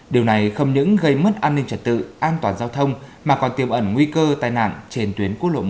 điều này không những gây mất an ninh trật tự an toàn giao thông mà còn tiêm ẩn nguy cơ tai nạn trên tuyến quốc lộ một